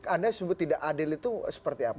anda sebut tidak adil itu seperti apa